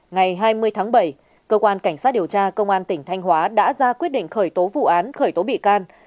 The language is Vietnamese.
ngày hai mươi tháng bảy cơ quan cảnh sát điều tra công an tỉnh thanh hóa đã ra quyết định khởi tố vụ án khởi tố bị can